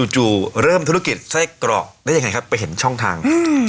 จู่เริ่มธุรกิจไส้กรอกได้ยังไงครับไปเห็นช่องทาง